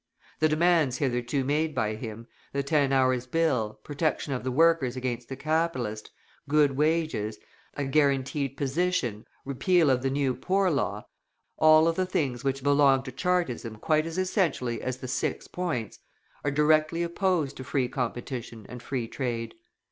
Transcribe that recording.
The demands hitherto made by him, the Ten Hours' Bill, protection of the workers against the capitalist, good wages, a guaranteed position, repeal of the new Poor Law, all of the things which belong to Chartism quite as essentially as the "Six Points," are directly opposed to free competition and Free Trade.